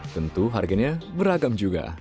tentu harganya beragam juga